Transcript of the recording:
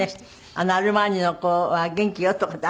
「あのアルマーニの子は元気よ」とかって。